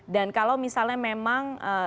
dan kalau misalnya memang